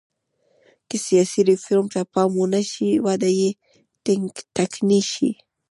که سیاسي ریفورم ته پام ونه شي وده یې ټکنۍ شي.